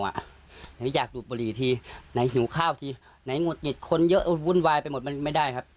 หนูอยากจูบบลีหน่อยหิวข้าวหน่อยหงวดผิดคนเยอะหวุ่นวายไปหมดไม่ได้ครับ